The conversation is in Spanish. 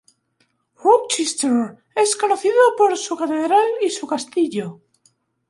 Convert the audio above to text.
Rochester es conocido por su catedral y su castillo.